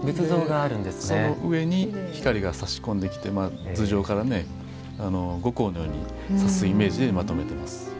その上に光がさし込んできて頭上から後光のようにさすイメージでまとめています。